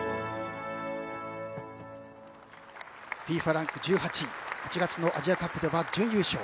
ＦＩＦＡランク１８位１月のアジアカップでは準優勝。